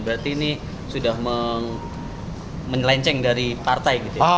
berarti ini sudah menyelenceng dari partai gitu ya